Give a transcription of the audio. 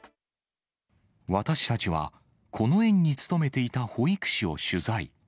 私たちは、この園に勤めていた保育士を取材。